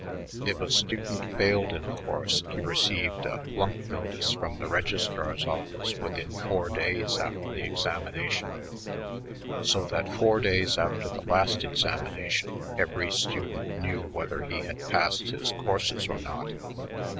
If a student failed in a course, he received a "flunk notice" from the registrar's office within four days after the examination, so that four days after the last examination every student knew whether he had passed his courses or not.